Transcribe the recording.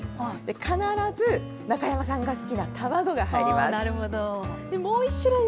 必ず中山さんが好きな玉子が入ります。